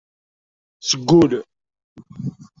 Seg ul.